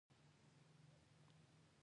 د يوه قبر پر سر پر را شنه شوې ترخه کېناسته.